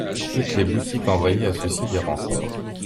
Toutes les boutiques envoyaient à ceux-ci des renforts.